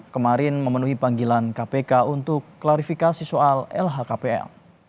kemarin memenuhi panggilan kpk untuk klarifikasi soal lhkpl